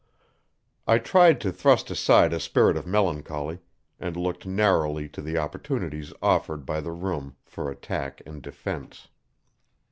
I tried to thrust aside a spirit of melancholy, and looked narrowly to the opportunities offered by the room for attack and defense.